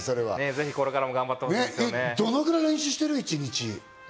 ぜひこれからも頑張ってほし一日どれぐらい練習してる？